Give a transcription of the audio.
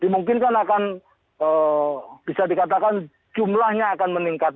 mungkin kan akan bisa dikatakan jumlahnya akan meningkat